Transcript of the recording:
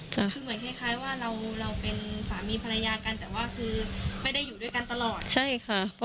ส่วนตัวเราใช่ไหม